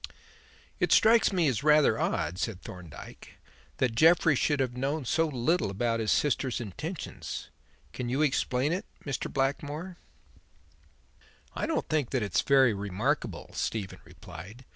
"It strikes me as rather odd," said Thorndyke, "that Jeffrey should have known so little about his sister's intentions. Can you explain it, Mr. Blackmore?" "I don't think that it is very remarkable," Stephen replied.